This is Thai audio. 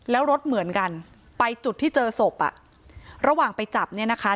แล้วรถเหมือนกันไปจุดที่เจอศพอ่ะระหว่างไปจับเนี่ยนะคะ